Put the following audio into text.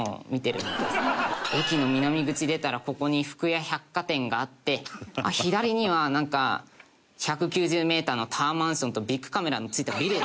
駅の南口出たらここに福屋百貨店があって左にはなんか１９０メーターのタワーマンションとビックカメラのついたビルが。